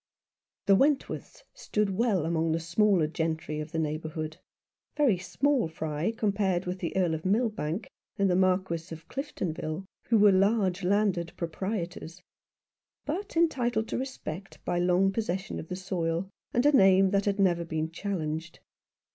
The Wentworths stood well among the smaller gentry of the neighbourhood ; very small fry com pared with the Earl of Milbank and the Marquis of Cliftonville, who were large landed proprietors ; but entitled to respect by long possession of the soil, and a name that had never been challenged.